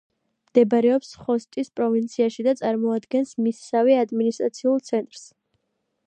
მდებარეობს ხოსტის პროვინციაში და წარმოადგენს მისსავე ადმინისტრაციულ ცენტრს.